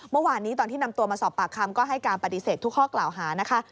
เมื่อวานนี้ตอนที่นำตัวมาสอบปากคำก็ให้การปฏิเสธทุกข้อกล่าวหานะคะ